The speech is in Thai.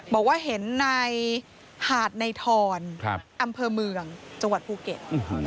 บอกว่าเห็นในหาดในทรอำเภอเมืองจังหวัดภูเก็ต